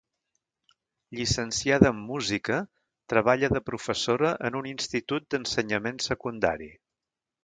Llicenciada en música, treballa de professora en un institut d'ensenyament secundari.